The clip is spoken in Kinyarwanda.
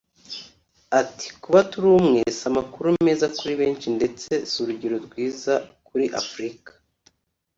Ati“Kuba turi umwe si amakuru meza kuri benshi ndetse si urugero rwiza kuri Africa